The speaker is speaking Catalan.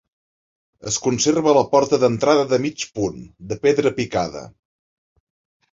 Es conserva la porta d'entrada de mig punt, de pedra picada.